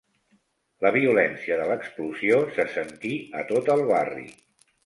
La violència de l'explosió se sentí a tot el barri.